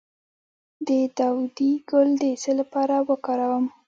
د داودي ګل د څه لپاره وکاروم؟